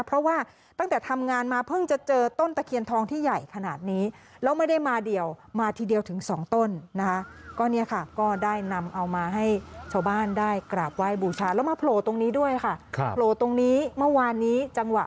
เพราะว่าตั้งแต่ทำงานมาเพิ่งจะเจอต้นตะเคียนทองที่ใหญ่ขนาดนี้